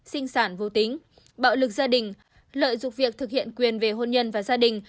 sinh sản vô tính bạo lực gia đình lợi dụng việc thực hiện quyền về hôn nhân và gia đình